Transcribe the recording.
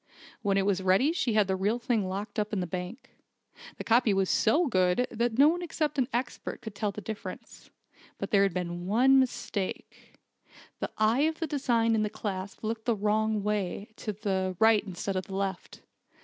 When it was ready she had the real thing locked up in the bank. The copy was so good that no one except an expert could tell the difference. But there had been one mistake. The eye of the design in the clasp looked the wrong way to the right instead of the left.